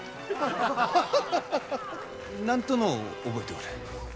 何とのう、覚えておる。